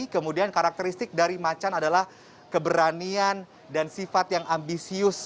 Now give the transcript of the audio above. kemudian karakteristik dari macan adalah keberanian dan sifat yang ambisius